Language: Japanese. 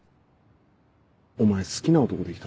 お前好きな男できたのか？